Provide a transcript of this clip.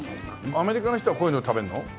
アメリカの人はこういうの食べるの？